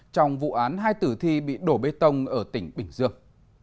trong vụ án hai tử thi bị đổ bê tông ở tỉnh bình dương